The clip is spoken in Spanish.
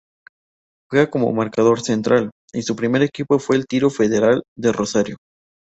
Juega como marcador central y su primer equipo fue Tiro Federal de Rosario.